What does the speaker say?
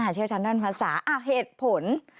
เชี่ยวชาญด้านภาษาเหตุผล